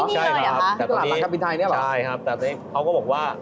ใช่ครับแต่ตอนนี้เขาก็บอกว่า